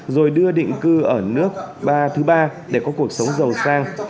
rồi đưa định cư ở nước thứ ba để có cuộc sống giàu sang